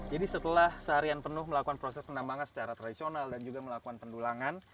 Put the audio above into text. jadi setelah seharian penuh melakukan proses penambangan secara tradisional dan juga melakukan pendulangan